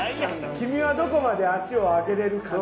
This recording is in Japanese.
君はどこまで足を上げれるかな？